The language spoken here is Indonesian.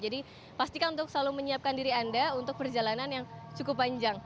jadi pastikan untuk selalu menyiapkan diri anda untuk perjalanan yang cukup panjang